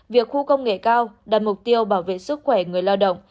việc khu công nghệ cao đặt mục tiêu bảo vệ sức khỏe người lao động